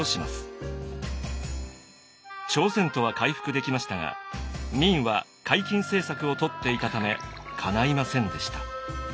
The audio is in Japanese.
朝鮮とは回復できましたが明は海禁政策をとっていたためかないませんでした。